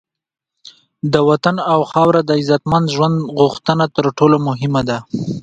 د وطن او خاوره د عزتمند ژوند غوښتنه تر ټولو مهمه ده.